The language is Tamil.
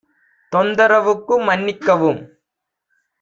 தொந்தரவுக்கு மன்னிக்கவும்